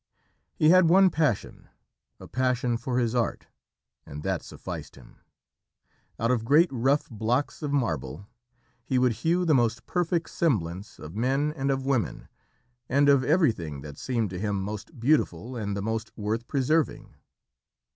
He had one passion, a passion for his art, and that sufficed him. Out of great rough blocks of marble he would hew the most perfect semblance of men and of women, and of everything that seemed to him most beautiful and the most worth preserving.